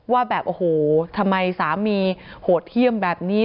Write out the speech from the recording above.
ว่าแบบโอ้โหทำไมสามีโหดเยี่ยมแบบนี้